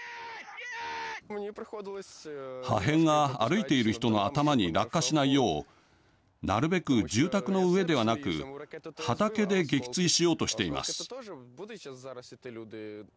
破片が歩いている人の頭に落下しないようなるべく住宅の上ではなく畑で撃墜しようとしています。